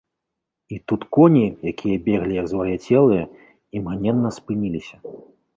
І тут коні, якія беглі, як звар'яцелыя, імгненна спыніліся.